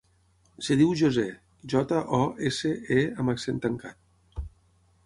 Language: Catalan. Es diu José: jota, o, essa, e amb accent tancat.